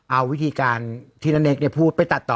เอาวิธีการที่นันเน็กเนี่ยพูดไปตัดต่อ